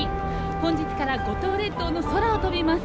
本日から五島列島の空を飛びます。